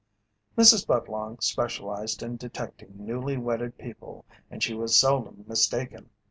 Mrs. Budlong specialized in detecting newly wedded people and she was seldom mistaken.